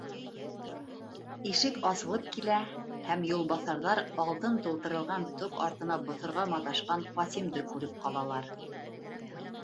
Ишек асылып килә, һәм юлбаҫарҙар алтын тултырылған тоҡ артына боҫорға маташҡан Ҡасимды күреп ҡалалар.